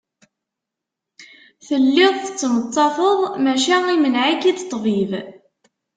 Telliḍ tettmettateḍ maca imneε-ik-id ṭṭbib.